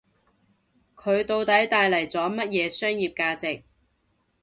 佢到底帶嚟咗乜嘢商業價值